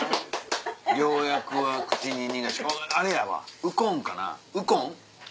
良薬は口に苦しあれやわウコンかなウコン？